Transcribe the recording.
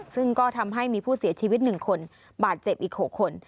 ซึ่งก็ทำให้มีผู้เสียชีวิต๑คนบาดเจ็บอีก๖คน